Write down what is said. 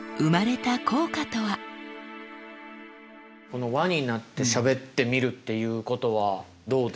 この輪になってしゃべってみるっていうことはどうですか？